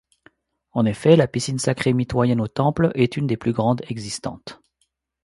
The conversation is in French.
En effet, la piscine sacrée mitoyenne au temple est une des plus grandes existantes.